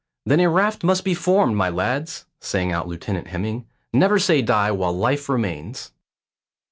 "Then a raft must be formed, my lads," sang out Lieutenant Hemming. "Never say die, while life remains."